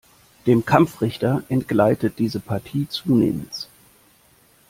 Dem Kampfrichter entgleitet diese Partie zunehmends.